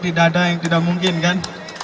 tidak ada yang tidak mungkin kan